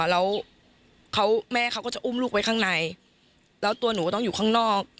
แล้วแม่เขาก็จะอุ้มลูกไว้ข้างในแล้วตัวหนูก็ต้องอยู่ข้างนอก